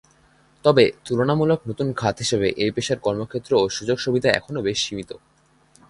তবে, তুলনামূলক নতুন খাত হিসেবে এ পেশার কর্মক্ষেত্র ও সুযোগ-সুবিধা এখনও বেশ সীমিত।